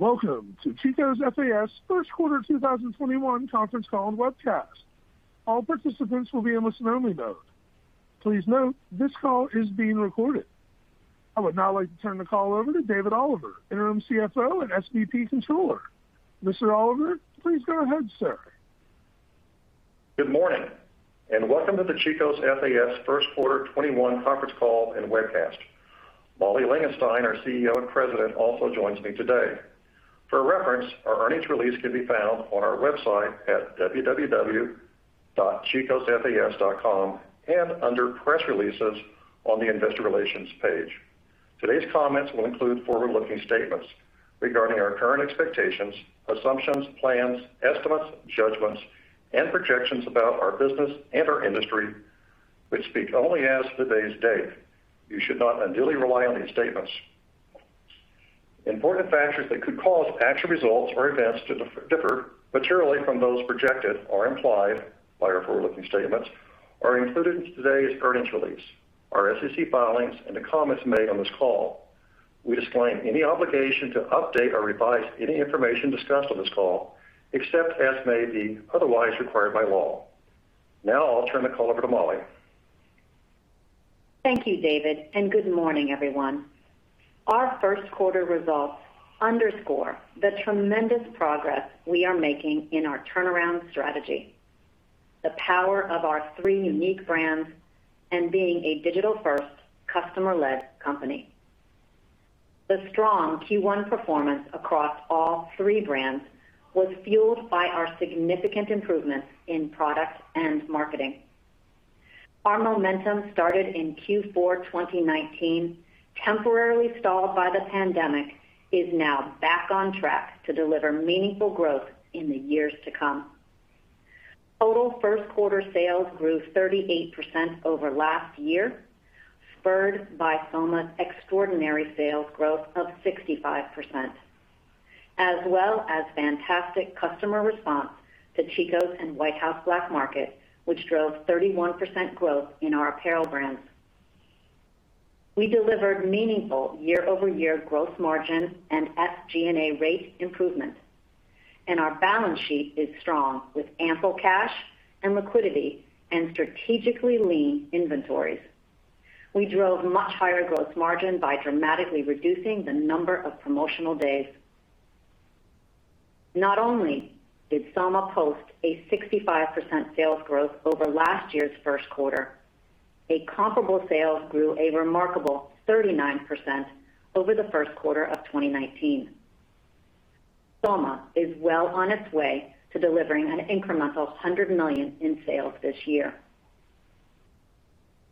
Welcome to Chico's FAS First Quarter 2021 conference call and webcast. All participants will be in listen-only mode. Please note this call is being recorded. I would now like to turn the call over to David Oliver, Interim CFO and SVP controller. Mr. Oliver, please go ahead, sir. Good morning, welcome to the Chico's FAS First Quarter 2021 conference call and webcast. Molly Langenstein, our CEO and President, also joins me today. For reference, our earnings release can be found on our website at www.chicosfas.com and under Press Releases on the Investor Relations page. Today's comments will include forward-looking statements regarding our current expectations, assumptions, plans, estimates, judgments, and projections about our business and our industry, which speak only as of today's date. You should not unduly rely on these statements. Important factors that could cause actual results or events to differ materially from those projected or implied by our forward-looking statements are included in today's earnings release, our SEC filings, and the comments made on this call. We disclaim any obligation to update or revise any information discussed on this call, except as may be otherwise required by law. Now I'll turn the call over to Molly. Thank you, David, good morning, everyone. Our first quarter results underscore the tremendous progress we are making in our turnaround strategy, the power of our three unique brands, and being a digital-first, customer-led company. The strong Q1 performance across all three brands was fueled by our significant improvements in product and marketing. Our momentum started in Q4 2019, temporarily stalled by the pandemic, is now back on track to deliver meaningful growth in the years to come. Total first quarter sales grew 38% over last year, spurred by Soma's extraordinary sales growth of 65%, as well as fantastic customer response to Chico's and White House Black Market, which drove 31% growth in our apparel brands. We delivered meaningful year-over-year growth margin and SG&A rate improvements, and our balance sheet is strong, with ample cash and liquidity and strategically lean inventories. We drove much higher gross margin by dramatically reducing the number of promotional days. Not only did Soma post a 65% sales growth over last year's first quarter, but comparable sales grew a remarkable 39% over the first quarter of 2019. Soma is well on its way to delivering an incremental $100 million in sales this year.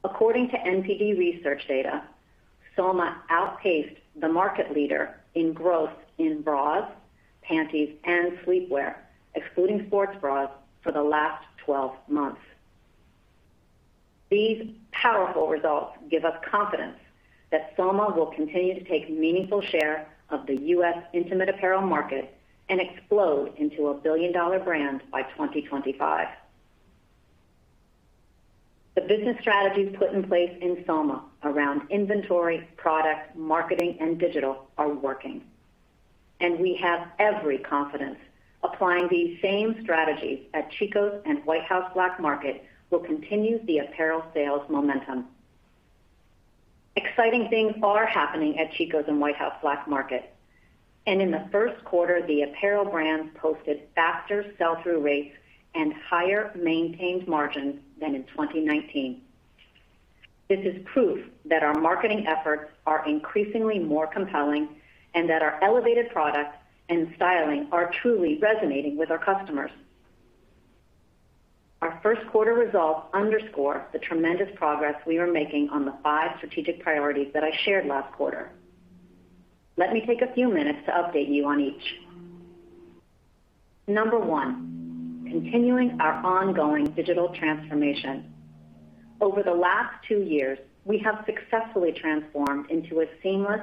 According to NPD research data, Soma outpaced the market leader in growth in bras, panties, and sleepwear, excluding sports bras for the last 12 months. These powerful results give us confidence that Soma will continue to take meaningful share of the U.S. intimate apparel market and explode into a billion-dollar brand by 2025. A business strategy put in place in Soma around inventory, product, marketing, and digital are working and we have every confidence applying these same strategies at Chico's and White House Black Market will continue the apparel sales momentum. Exciting things are happening at Chico's and White House Black Market and in the first quarter, the apparel brands posted faster sell-through rates and higher maintained margins than in 2019. This is proof that our marketing efforts are increasingly more compelling and that our elevated products and styling are truly resonating with our customers. Our first quarter results underscore the tremendous progress we are making on the five strategic priorities that I shared last quarter. Let me take a few minutes to update you on each. Number one, continuing our ongoing digital transformation. Over the last two years, we have successfully transformed into a seamless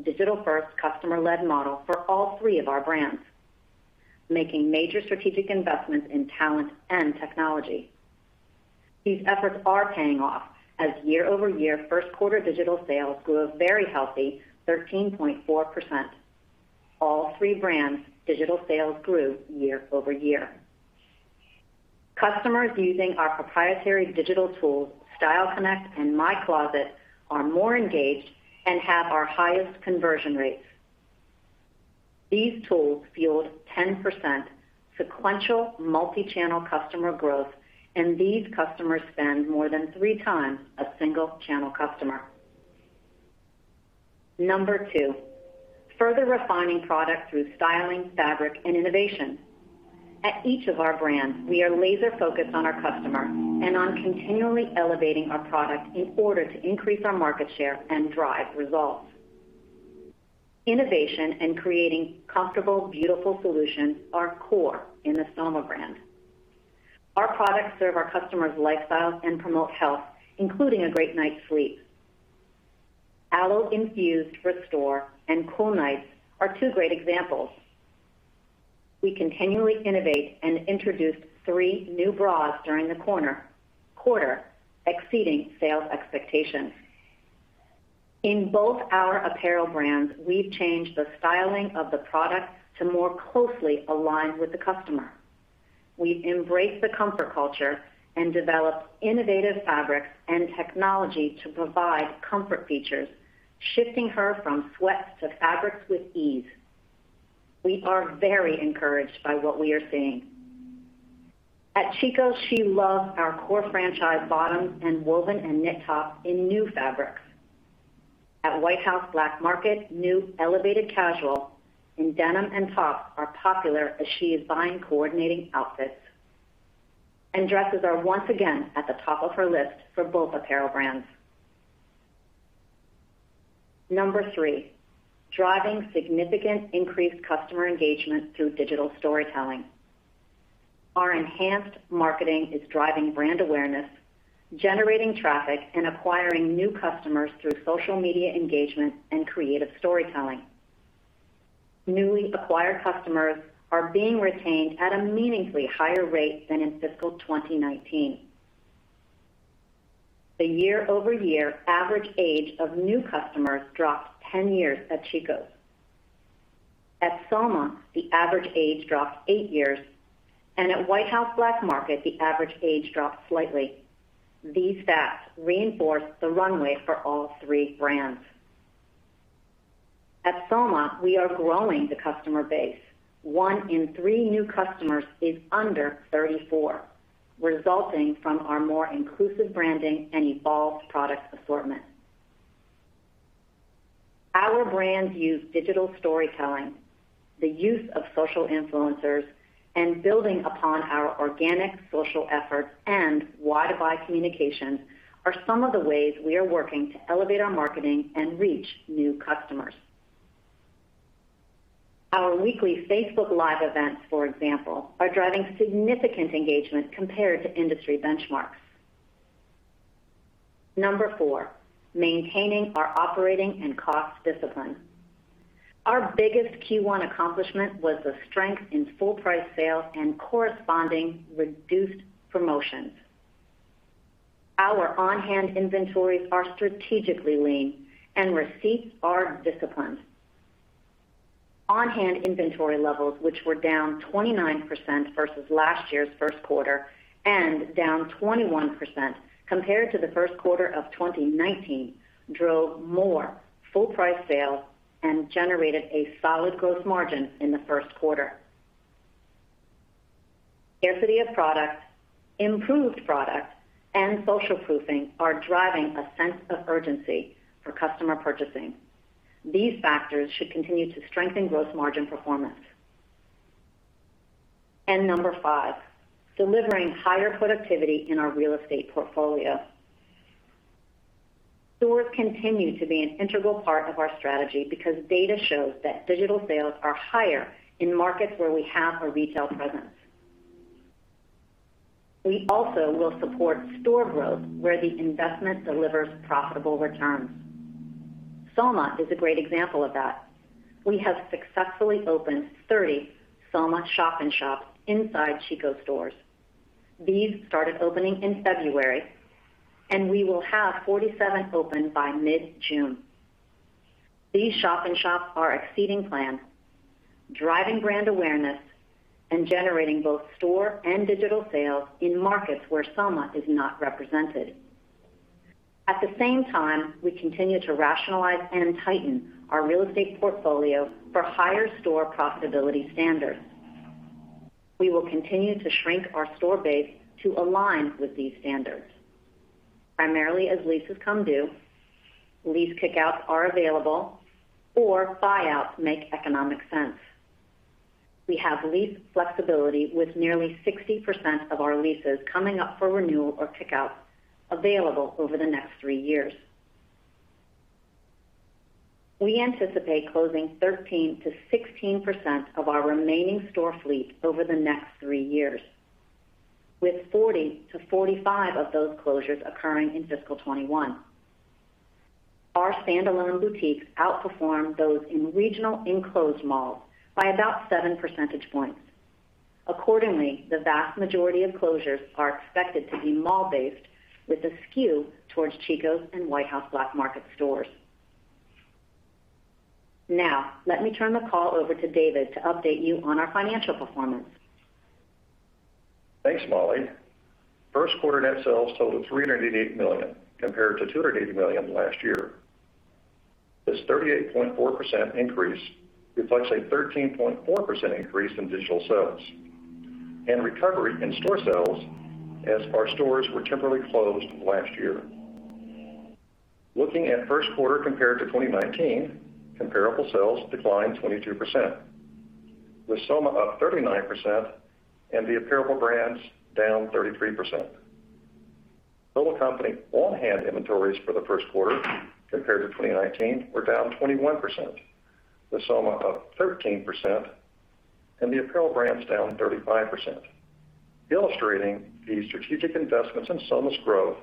digital-first customer-led model for all three of our brands, making major strategic investments in talent and technology. These efforts are paying off as year-over-year first quarter digital sales grew a very healthy 13.4%. All three brands' digital sales grew year-over-year. Customers using our proprietary digital tools, Style Connect and My Closet, are more engaged and have our highest conversion rates. These tools fueled 10% sequential multi-channel customer growth, and these customers spend more than three times a single-channel customer. Number two, further refining product through styling, fabric, and innovation. At each of our brands, we are laser-focused on our customer and on continually elevating our product in order to increase our market share and drive results. Innovation and creating comfortable, beautiful solutions are core in the Soma brand. Our products serve our customers' lifestyles and promote health, including a great night's sleep. Aloe-infused Restore and Cool Nights are two great examples We continually innovate and introduced three new bras during the quarter, exceeding sales expectations. In both our apparel brands, we've changed the styling of the product to more closely align with the customer. We've embraced the comfort culture and developed innovative fabrics and technology to provide comfort features, shifting her from sweat to fabrics with ease. We are very encouraged by what we are seeing. At Chico's, she loved our core franchise bottoms and woven and knit tops in new fabrics. At White House Black Market, new elevated casual in denim and tops are popular as she is buying coordinating outfits. Dresses are once again at the top of her list for both apparel brands. Number 3, driving significant increased customer engagement through digital storytelling. Our enhanced marketing is driving brand awareness, generating traffic, and acquiring new customers through social media engagement and creative storytelling. Newly acquired customers are being retained at a meaningfully higher rate than in fiscal 2019. The year-over-year average age of new customers dropped 10 years at Chico's. At Soma, the average age dropped eight years, and at White House Black Market, the average age dropped slightly. These facts reinforce the runway for all three brands. At Soma, we are growing the customer base. One in three new customers is under 34, resulting from our more inclusive branding and evolved product assortment. Our brands use digital storytelling, the use of social influencers, and building upon our organic social efforts and Y2Y communications are some of the ways we are working to elevate our marketing and reach new customers. Our weekly Facebook Live events, for example, are driving significant engagement compared to industry benchmarks. Number four, maintaining our operating and cost discipline. Our biggest Q1 accomplishment was the strength in full-price sales and corresponding reduced promotions. Our on-hand inventories are strategically lean, and receipts are disciplined. On-hand inventory levels, which were down 29% versus last year's first quarter and down 21% compared to the first quarter of 2019, drove more full-price sales and generated a solid gross margin in the first quarter. Scarcity of product, improved product, and social proofing are driving a sense of urgency for customer purchasing. These factors should continue to strengthen gross margin performance. Number five, delivering higher productivity in our real estate portfolio. Stores continue to be an integral part of our strategy because data shows that digital sales are higher in markets where we have a retail presence. We also will support store growth where the investment delivers profitable returns. Soma is a great example of that. We have successfully opened 30 Soma shop-in-shops inside Chico's stores. These started opening in February, and we will have 47 open by mid-June. These shop-in-shops are exceeding plans, driving brand awareness, and generating both store and digital sales in markets where Soma is not represented. At the same time, we continue to rationalize and tighten our real estate portfolio for higher store profitability standards. We will continue to shrink our store base to align with these standards. Primarily as leases come due, lease kick-outs are available or buyouts make economic sense. We have lease flexibility with nearly 60% of our leases coming up for renewal or kick-outs available over the next three years. We anticipate closing 13%-16% of our remaining store fleet over the next three years, with 40-45 of those closures occurring in fiscal 2021. Our standalone boutiques outperform those in regional enclosed malls by about seven percentage points. Accordingly, the vast majority of closures are expected to be mall-based, with a skew towards Chico's and White House Black Market stores. Now, let me turn the call over to David to update you on our financial performance. Thanks, Molly. First quarter net sales totaled $388 million compared to $280 million last year. This 38.4% increase reflects a 13.4% increase in digital sales and recovery in store sales as our stores were temporarily closed last year. Looking at first quarter compared to 2019, comparable sales declined 22%, with Soma up 39% and the apparel brands down 33%. The company on-hand inventories for the first quarter compared to 2019 were down 21%, with Soma up 13% and the apparel brands down 35%, illustrating the strategic investments in Soma's growth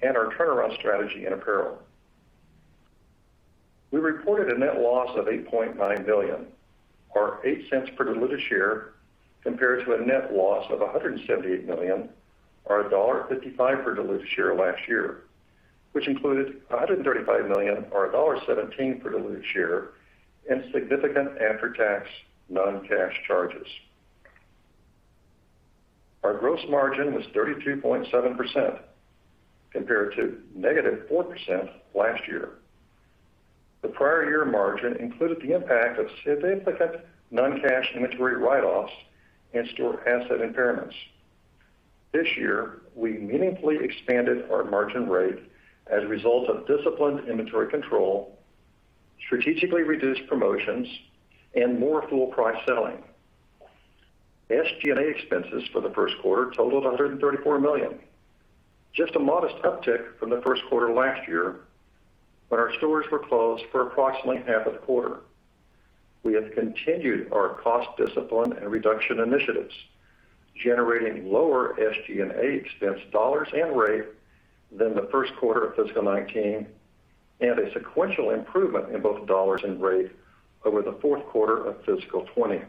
and our turnaround strategy in apparel. We reported a net loss of $8.9 million, or $0.08 per diluted share, compared to a net loss of $178 million, or $1.55 per diluted share last year, which included $135 million, or $1.17 per diluted share, in significant after-tax non-cash charges. Our gross margin was 32.7%, compared to negative 4% last year. The prior year margin included the impact of significant non-cash inventory write-offs and store asset impairments. This year, we meaningfully expanded our margin rate as a result of disciplined inventory control, strategically reduced promotions, and more full-price selling. SG&A expenses for the first quarter totaled $134 million, just a modest uptick from the first quarter last year, when our stores were closed for approximately half the quarter. We have continued our cost discipline and reduction initiatives, generating lower SG&A expense dollars and rate than the first quarter of fiscal 2019, and a sequential improvement in both dollars and rate over the fourth quarter of fiscal 2020.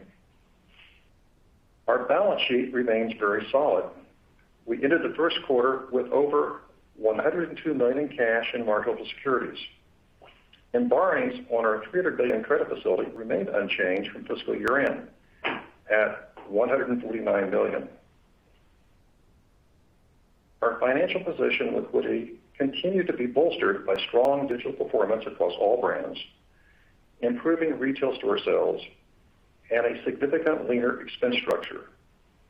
Our balance sheet remains very solid. We ended the first quarter with over $102 million in cash and marketable securities, and borrowings on our $300 million credit facility remained unchanged from fiscal year-end at $149 million. Our financial position liquidity continued to be bolstered by strong digital performance across all brands, improving retail store sales, and a significantly leaner expense structure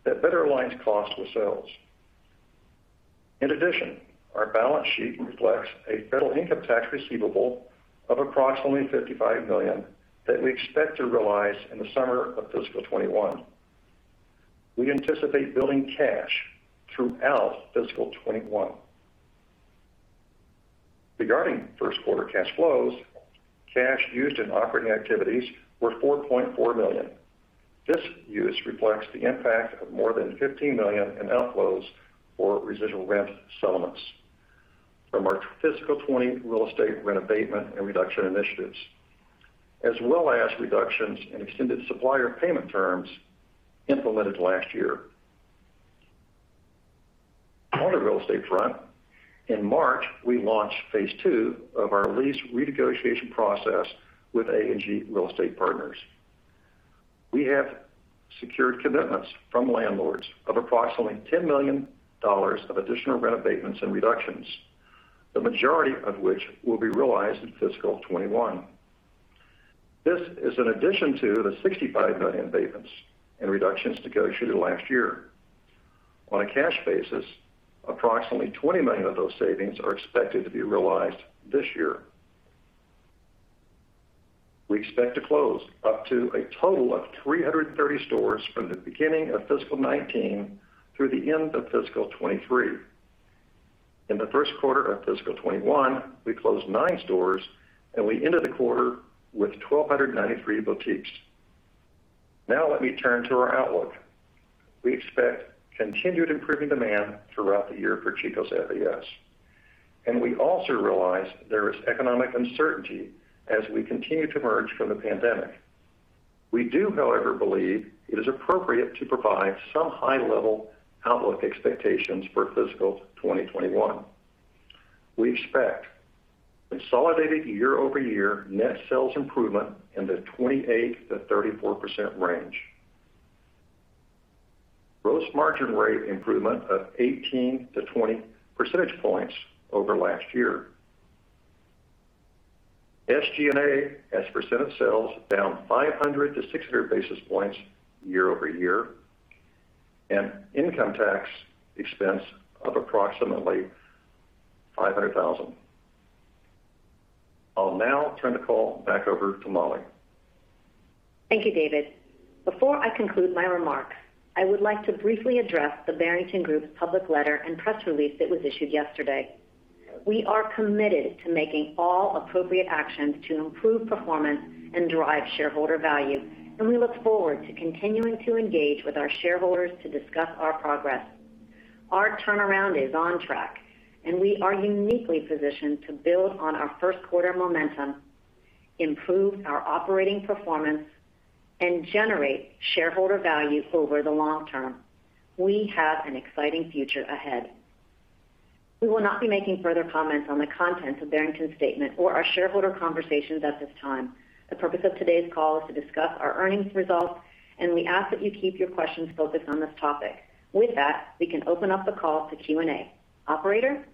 that better aligns costs with sales. In addition, our balance sheet reflects a federal income tax receivable of approximately $55 million that we expect to realize in the summer of fiscal 2021. We anticipate building cash throughout fiscal 2021. Regarding first quarter cash flows, cash used in operating activities were $4.4 million. This use reflects the impact of more than $15 million in outflows for residual rent settlements from our fiscal 2020 real estate rent abatement and reduction initiatives, as well as reductions in extended supplier payment terms implemented last year. On the real estate front, in March, we launched phase II of our lease renegotiation process with A&G Real Estate Partners. We have secured commitments from landlords of approximately $10 million of additional rent abatements and reductions, the majority of which will be realized in fiscal 2021. This is in addition to the $65 million abatements and reductions negotiated last year. On a cash basis, approximately $20 million of those savings are expected to be realized this year. We expect to close up to a total of 330 stores from the beginning of fiscal 2019 through the end of fiscal 2023. In the first quarter of fiscal 2021, we closed nine stores, and we ended the quarter with 1,293 boutiques. Now let me turn to our outlook. We expect continued improving demand throughout the year for Chico's FAS, and we also realize there is economic uncertainty as we continue to emerge from the pandemic. We do, however, believe it is appropriate to provide some high-level outlook expectations for fiscal 2021. We expect consolidated year-over-year net sales improvement in the 28%-34% range, gross margin rate improvement of 18-20 percentage points over last year, SG&A as a percent of sales down 500-600 basis points year-over-year, and income tax expense of approximately $500,000. I'll now turn the call back over to Molly. Thank you, David. Before I conclude my remarks, I would like to briefly address The Barington Group's public letter and press release that was issued yesterday. We are committed to making all appropriate actions to improve performance and drive shareholder value, and we look forward to continuing to engage with our shareholders to discuss our progress. Our turnaround is on track, and we are uniquely positioned to build on our first quarter momentum, improve our operating performance, and generate shareholder value over the long term. We have an exciting future ahead. We will not be making further comments on the contents of Barington's statement or our shareholder conversations at this time. The purpose of today's call is to discuss our earnings results, and we ask that you keep your questions focused on this topic. With that, we can open up the call to Q&A. Operator?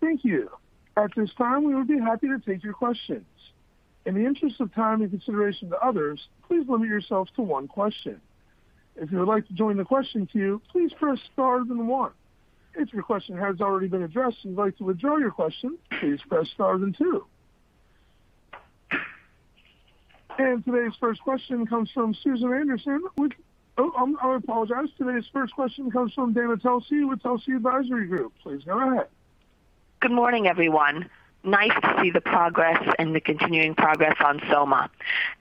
Thank you. At this time, we would be happy to take your questions. In the interest of time and consideration to others, please limit yourself to one question. If you would like to join the question queue, please press star then one. If your question has already been addressed and you'd like to withdraw your question, please press star then two. Today's first question comes from Susan Anderson with Oh, I apologize. Today's first question comes from Dana Telsey with Telsey Advisory Group. Please go ahead. Good morning, everyone. Nice to see the progress and the continuing progress on Soma.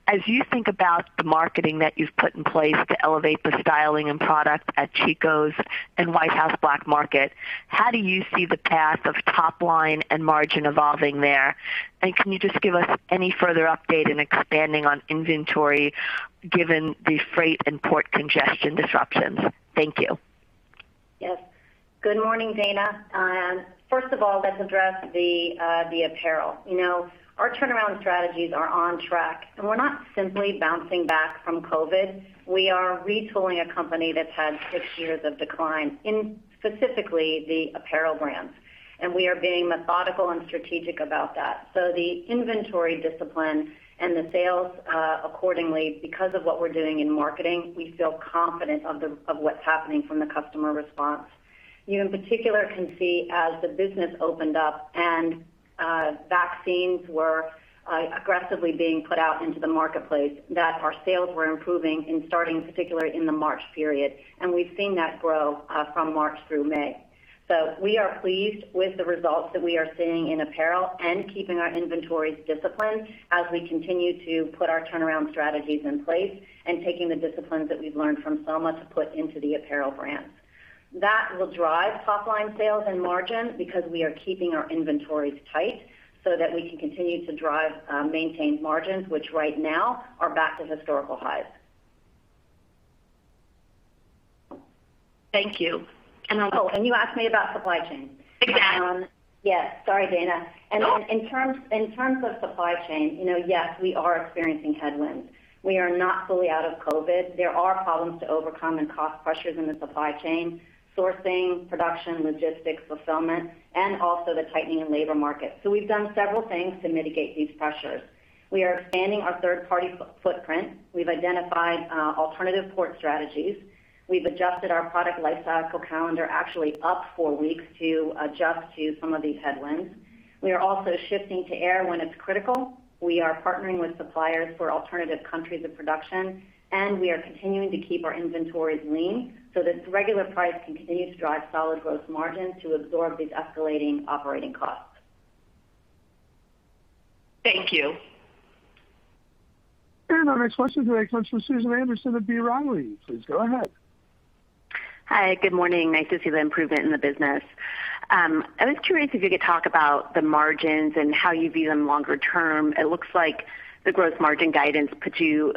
As you think about the marketing that you've put in place to elevate the styling and product at Chico's and White House Black Market, how do you see the path of top line and margin evolving there? Can you just give us any further update in expanding on inventory given the freight and port congestion disruptions? Thank you. Yes. Good morning, Dana. First of all, let's address the apparel. Our turnaround strategies are on track. We're not simply bouncing back from COVID, we are retooling a company that's had six years of decline in specifically the apparel brands. We are being methodical and strategic about that. The inventory discipline and the sales accordingly, because of what we're doing in marketing, we feel confident of what's happening from the customer response. In particular, we can see as the business opened up and vaccines were aggressively being put out into the marketplace, that our sales were improving and starting to tickle right in the March period, we've seen that growth from March through May. We are pleased with the results that we are seeing in apparel and keeping our inventories disciplined as we continue to put our turnaround strategies in place and taking the disciplines that we've learned from Soma to put into the apparel brands. That will drive top line sales and margins because we are keeping our inventories tight so that we can continue to drive and maintain margins, which right now are back to historical highs. Thank you. Oh, you asked me about supply chain. Yeah. Sorry, Dana. In terms of supply chain, yes, we are experiencing headwinds. We are not fully out of COVID. There are problems to overcome and cost pressures in the supply chain, sourcing, production, logistics, fulfillment, and also the tightening labor market. We've done several things to mitigate these pressures. We are expanding our third-party footprint. We've identified alternative port strategies. We've adjusted our product lifecycle calendar actually up four weeks to adjust to some of these headwinds. We are also shifting to air when it's critical. We are partnering with suppliers for alternative countries of production, and we are continuing to keep our inventories lean, so this regular price continues to drive solid growth margins to absorb these escalating operating costs. Thank you. Our next question today comes from Susan Anderson of B. Riley. Please go ahead. Hi. Good morning. Nice to see the improvement in the business. I was curious if you could talk about the margins and how you view them longer term. It looks like the gross margin guidance put you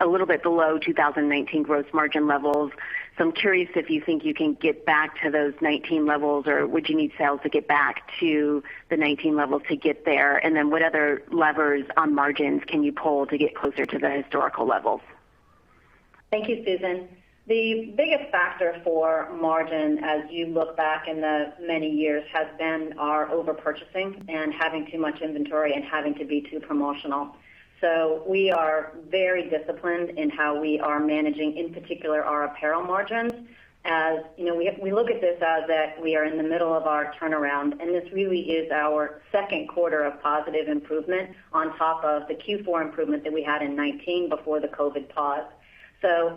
a little bit below 2019 gross margin levels. I'm curious if you think you can get back to those 2019 levels, or would you need sales to get back to the 2019 level to get there? What other levers on margins can you pull to get closer to the historical levels? Thank you, Susan. The biggest factor for margin as you look back in the many years has been our overpurchasing and having too much inventory and having to be too promotional. We are very disciplined in how we are managing, in particular, our apparel margins. We look at this as that we are in the middle of our turnaround, and this really is our second quarter of positive improvement on top of the Q4 improvement that we had in 2019 before the COVID pause.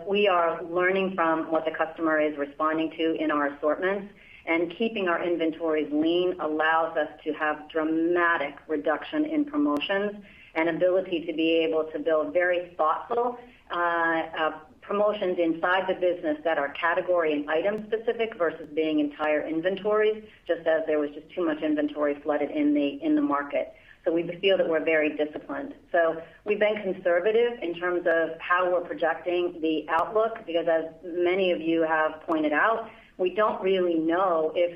We are learning from what the customer is responding to in our assortments. Keeping our inventories lean allows us to have dramatic reduction in promotions and ability to be able to build very thoughtful promotions inside the business that are category and item specific versus being entire inventories, just as there was too much inventory flooded in the market. We feel that we're very disciplined. We've been conservative in terms of how we're projecting the outlook because, as many of you have pointed out, we don't really know if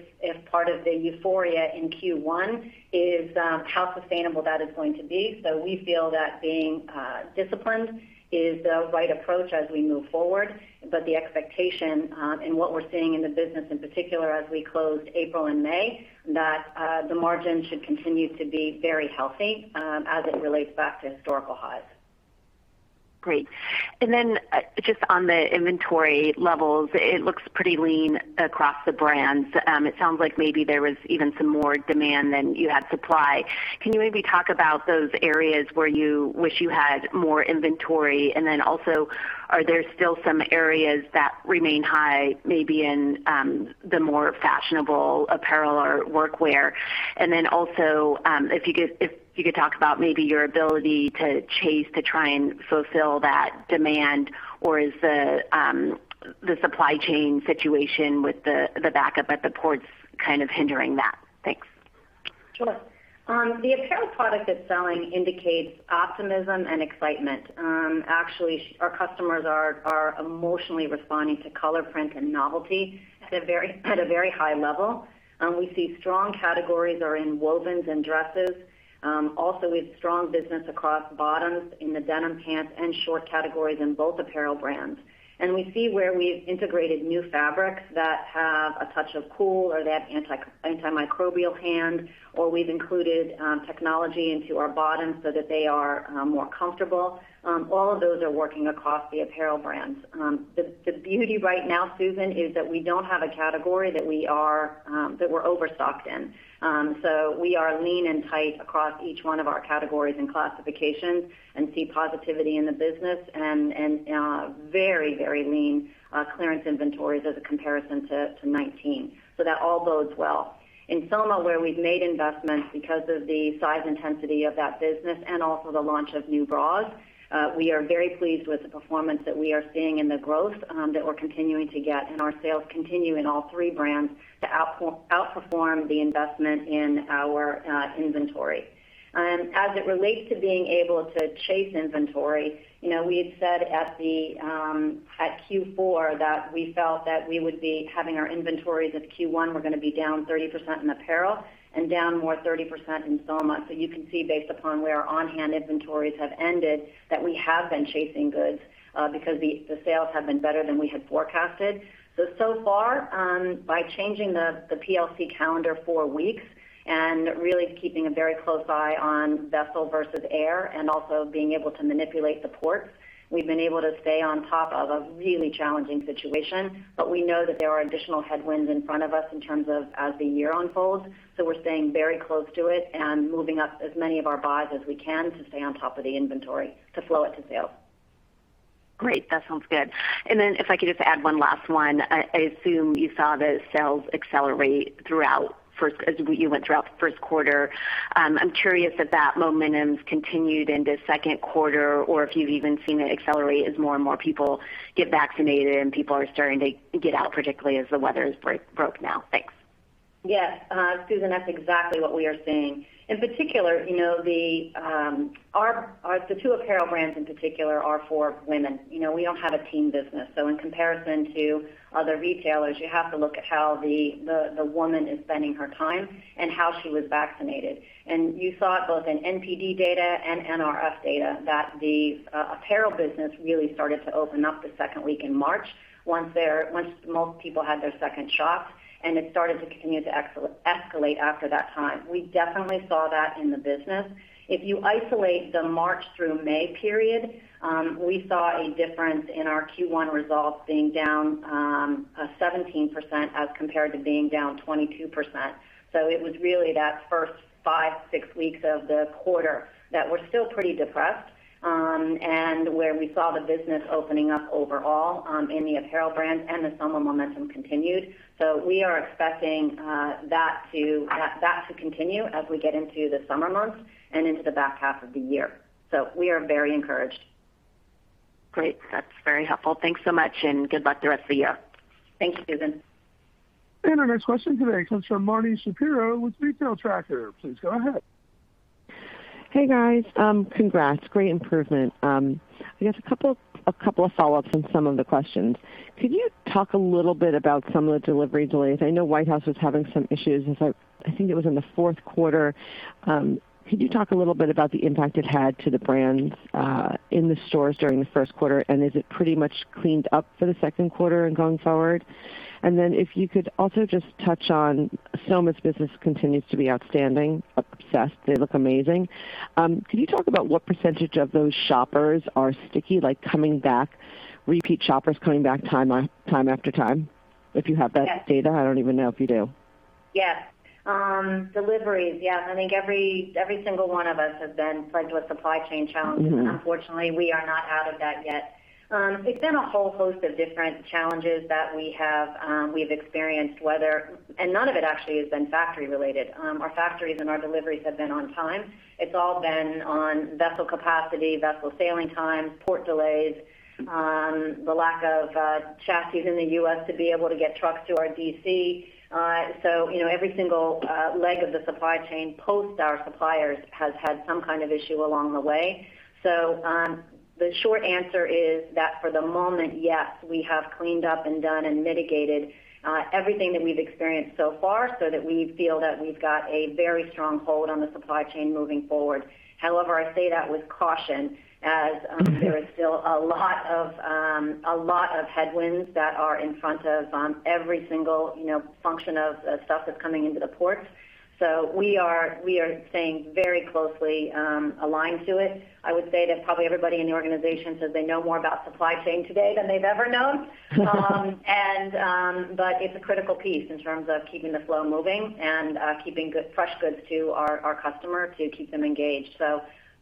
part of the euphoria in Q1 is how sustainable that is going to be. We feel that being disciplined is the right approach as we move forward. The expectation and what we're seeing in the business in particular as we close April and May, that the margin should continue to be very healthy as it relates back to historical highs. Great. Just on the inventory levels, it looks pretty lean across the brands. It sounds like maybe there was even some more demand than you had supply. Can you maybe talk about those areas where you wish you had more inventory, and then also are there still some areas that remain high, maybe in the more fashionable apparel or workwear? Also, if you could talk about maybe your ability to chase to try and fulfill that demand, or is the supply chain situation with the backup at the ports kind of hindering that? Thanks. Sure. The apparel product is selling indicates optimism and excitement. Actually, our customers are emotionally responding to color print and novelty at a very high level. We see strong categories are in wovens and dresses. Also, we have strong business across bottoms in the denim pants and short categories in both apparel brands. We see where we've integrated new fabrics that have a touch of cool, or they have antimicrobial hand, or we've included technology into our bottoms so that they are more comfortable. All of those are working across the apparel brands. The beauty right now, Susan, is that we don't have a category that we're overstocked in. We are lean and tight across each one of our categories and classifications and see positivity in the business and very lean clearance inventories as a comparison to 2019, that all bodes well. In Soma, where we've made investments because of the size intensity of that business and also the launch of new bras, we are very pleased with the performance that we are seeing and the growth that we're continuing to get and our sales continue in all three brands to outperform the investment in our inventory. As it relates to being able to chase inventory, we had said at Q4 that we felt that we would be cutting our inventories of Q1, we're going to be down 30% in apparel and down more 30% in Soma. You can see based upon where our on-hand inventories have ended, that we have been chasing goods because the sales have been better than we had forecasted. So far, by changing the PLC calendar four weeks and really keeping a very close eye on vessel versus air and also being able to manipulate the ports, we've been able to stay on top of a really challenging situation. We know that there are additional headwinds in front of us in terms of as the year unfolds. We're staying very close to it and moving up as many of our buys as we can to stay on top of the inventory to flow it to sale. Great. That sounds good. If I could just add one last one, I assume you saw the sales accelerate throughout first as we went throughout the first quarter. I'm curious if that momentum's continued into second quarter or if you've even seen it accelerate as more and more people get vaccinated and people are starting to get out, particularly as the weather's broken out. Thanks. Yes. Susan, that's exactly what we are seeing. In particular, the two apparel brands in particular are for women. We don't have a teen business, so in comparison to other retailers, you have to look at how the woman is spending her time and how she was vaccinated. You saw it both in NPD data and NRF data that the apparel business really started to open up the second week in March once most people had their second shots, and it started to continue to escalate after that time. We definitely saw that in the business. If you isolate the March through May period, we saw a difference in our Q1 results being down 17% as compared to being down 22%. It was really that first five, six weeks of the quarter that were still pretty depressed, and where we saw the business opening up overall in the apparel brands and the Soma momentum continued. We are expecting that to continue as we get into the summer months and into the back half of the year. We are very encouraged. Great. That's very helpful. Thanks so much, and good luck the rest of the year. Thanks, Susan. Our next question today comes from Marni Shapiro with The Retail Tracker. Please go ahead. Hey, guys. Congrats. Great improvement. I guess a couple of follow-ups on some of the questions. Could you talk a little bit about some of the delivery delays? I know White House was having some issues, I think it was in the fourth quarter. Could you talk a little bit about the impact it had to the brands in the stores during the first quarter, is it pretty much cleaned up for the second quarter and going forward? If you could also just touch on Soma's business continues to be outstanding, obsessed, they look amazing. Can you talk about what percentage of those shoppers are sticky, like coming back, repeat shoppers coming back time after time? If you have that data, I don't even know if you do. Yes. Deliveries. Yeah, I think every single one of us has been plagued with supply chain challenges. Unfortunately, we are not out of that yet. It's been a whole host of different challenges that we've experienced. None of it actually has been factory related. Our factories and our deliveries have been on time. It's all been on vessel capacity, vessel sailing time, port delays, the lack of chassis in the U.S. to be able to get trucks to our DC. Every single leg of the supply chain post our suppliers has had some kind of issue along the way. The short answer is that for the moment, yes, we have cleaned up and done and mitigated everything that we've experienced so far, so that we feel that we've got a very strong hold on the supply chain moving forward. I say that with caution, as there are still a lot of headwinds that are in front of us on every single function of stuff that's coming into the ports. We are staying very closely aligned to it. I would say that probably everybody in the organization says they know more about supply chain today than they've ever known. It's a critical piece in terms of keeping the flow moving and keeping good, fresh goods to our customers to keep them engaged.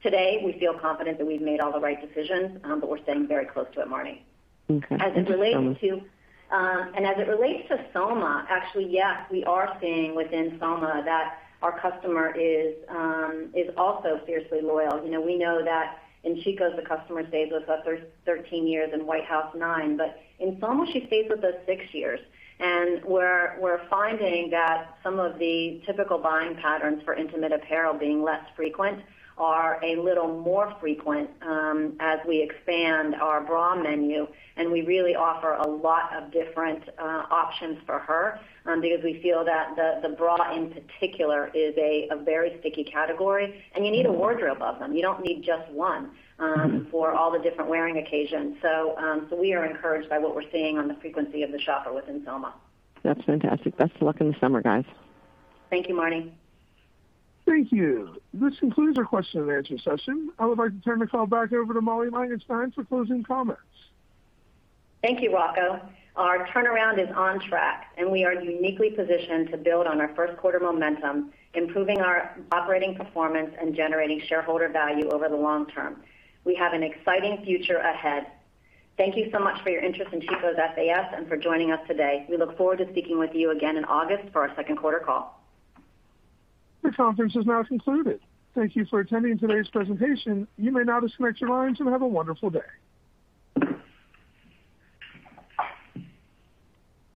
Today, we feel confident that we've made all the right decisions, but we're staying very close to it, Marni. As it relates to Soma, actually, yes, we are seeing within Soma that our customer is also fiercely loyal. We know that in Chico's, the customer stays with us for 13 years, in White House nine, but in Soma, she stays with us six years. We're finding that some of the typical buying patterns for intimate apparel being less frequent are a little more frequent as we expand our bra menu, and we really offer a lot of different options for her, because we feel that the bra in particular is a very sticky category, and you need a wardrobe of them. You don't need just one for all the different wearing occasions. We are encouraged by what we're seeing on the frequency of the shopper within Soma. That's fantastic. Best of luck in the summer, guys. Thank you, Marni. Thank you. This concludes our question and answer session. I would like to turn the call back over to Molly Langenstein for closing comments. Thank you, Waco. Our turnaround is on track, and we are uniquely positioned to build on our first quarter momentum, improving our operating performance, and generating shareholder value over the long term. We have an exciting future ahead. Thank you so much for your interest in Chico's FAS and for joining us today. We look forward to speaking with you again in August for our second quarter call. The conference is now concluded. Thank you for attending today's presentation. You may now disconnect your lines and have a wonderful day.